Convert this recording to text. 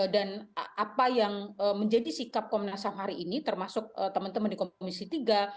dan apa yang menjadi sikap komnas ham hari ini termasuk teman teman di komisi tiga